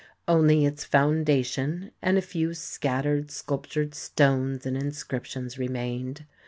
Only its foundation and a few scattered sculptured stones and inscriptions remained.